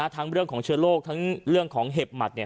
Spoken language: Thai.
ทั้งเรื่องของเชื้อโรคทั้งเรื่องของเห็บหมัด